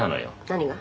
「何が？」